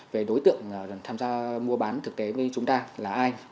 về đối tượng tham gia mua bán thực tế với chúng ta là ai